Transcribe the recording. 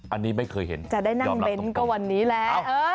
อันนี้ไม่เคยเห็นจะได้นั่งเน้นก็วันนี้แหละ